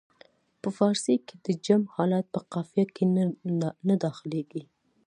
په فارسي کې د جمع حالت په قافیه کې نه داخلیږي.